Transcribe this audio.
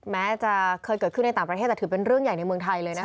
แม้จะเคยเกิดขึ้นในต่างประเทศแต่ถือเป็นเรื่องใหญ่ในเมืองไทยเลยนะคะ